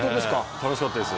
楽しかったです。